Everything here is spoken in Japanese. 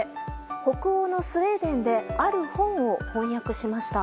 北欧のスウェーデンである本を翻訳しました。